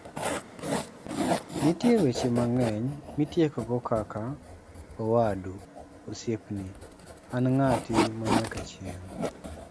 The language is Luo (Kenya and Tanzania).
nitie weche mang'eny mitiekogo kaka;'owadu, osiepni, an ng'ati manyakachieng'